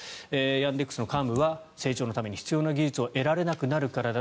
ヤンデックスの幹部は成長のために必要な技術を得られなくなるからだ。